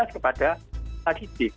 sembilan belas kepada aditif